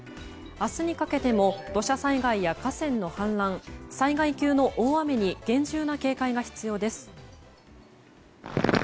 明日にかけても土砂災害や河川の氾濫災害級の大雨に厳重な警戒が必要です。